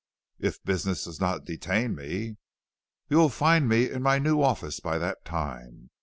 "If business does not detain me." "You will find me in my new office by that time.